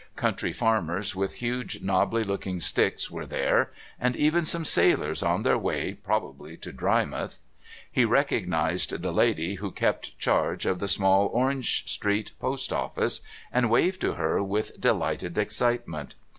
Country farmers with huge knobbly looking sticks were there, and even some sailors, on their way probably to Drymouth. He recognised the lady who kept charge of the small Orange Street post office, and waved to her with delighted excitement.